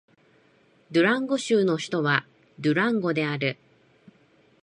ドゥランゴ州の州都はドゥランゴである